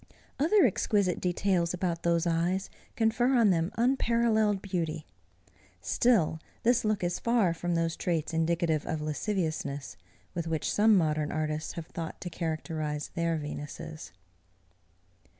Other exquisite details about those eyes, confer on them unparallelled beauty. Still, this look is far from those traits indicative of lasciviousness, with which some modern artists have thought to characterize their Venuses.